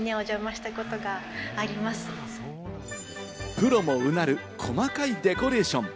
プロもうなる細かいデコレーション。